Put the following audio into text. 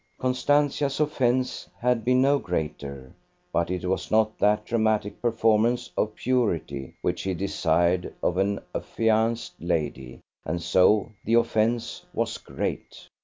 Constantia's offence had been no greater, but it was not that dramatic performance of purity which he desired of an affianced lady, and so the offence was great.